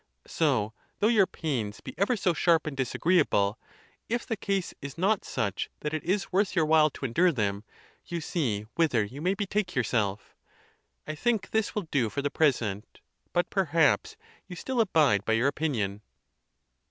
So, though your pains be ever so sharp and disagreeable, if the case is not such that it is worth your while to endure them, you see whither you may betake yourself. I think this will do for the present. But perhaps you still abide by your opinion.